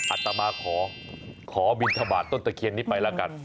อัตมาขอบินธบาลต้นตะเคียดนี้ไปละกัน